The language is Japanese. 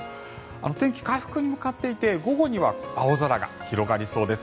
天気、回復に向かっていて午後には青空が広がりそうです。